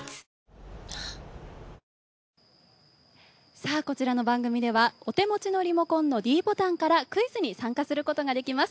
さぁ、こちらの番組では、お手持ちのリモコンのｄボタンからクイズに参加することができます。